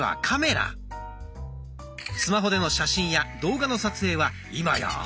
スマホでの写真や動画の撮影は今や当たり前。